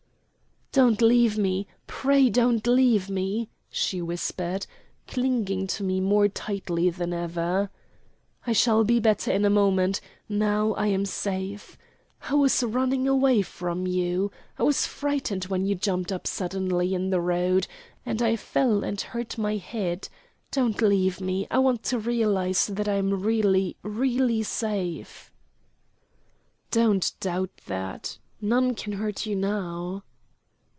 "Don't leave me; pray don't leave me," she whispered, clinging to me more tightly than ever. "I shall be better in a moment now I am safe. I was running away from you. I was frightened when you jumped up suddenly in the road, and I fell and hurt my head. Don't leave me. I want to realize that I am really, really safe." "Don't doubt that. None can hurt you now."